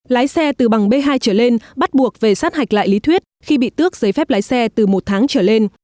lái xe từ bằng b hai trở lên bắt buộc về sát hạch lại lý thuyết khi bị tước giấy phép lái xe từ một tháng trở lên